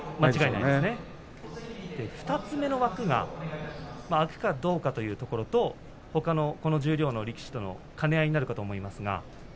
２つ目の枠が空くかどうかということと十両の力士との兼ね合いもあると思います。